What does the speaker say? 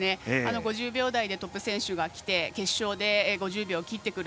５０秒台でトップ選手がきて決勝で５０秒を切ってくる。